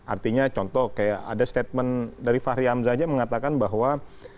artinya contoh kayak ada statement dari fahri hamzah aja mengatakan bahwa